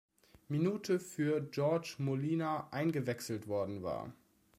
Minute für Jorge Molina eingewechselt worden war.